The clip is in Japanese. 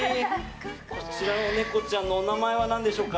こちらのネコちゃんのお名前は何でしょうか。